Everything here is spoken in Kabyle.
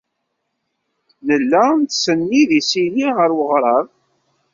Nella nettsennid isili ɣer weɣrab.